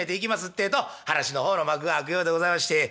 ってえと噺の方の幕が開くようでございまして。